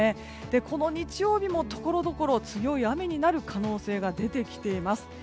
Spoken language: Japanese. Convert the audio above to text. この日曜日も、ところどころ強い雨になる可能性が出てきています。